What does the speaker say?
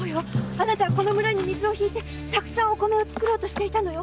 あなたはこの村に水を引いてたくさんお米を作ろうとしていたのよ。